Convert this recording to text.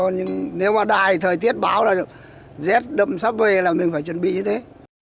nhưng nếu mà đài thời tiết báo là rét đậm sắp về là mình phải chuẩn bị như thế